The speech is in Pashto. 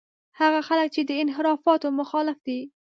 هغه خلک چې د انحرافاتو مخالف دي.